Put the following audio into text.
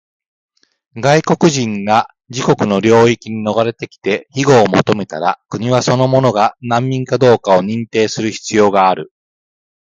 外国人が自国の領域に逃れてきて庇護を求めたら、国はその者が難民かどうかを認定する必要がある。